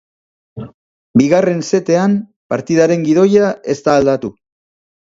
Bigarren setean, partidaren gidoia ez da aldatu.